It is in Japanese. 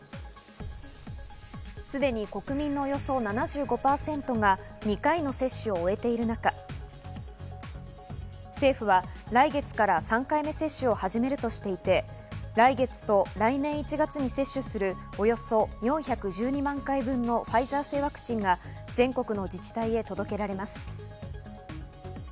すでに国民のおよそ７５％が２回の接種を終えている中、政府は来月から３回目接種を始めるとしていて、来月と来年１月に接種するおよそ４１２万回分のファイザー製ワクチンが全国の自治体へ届けられます。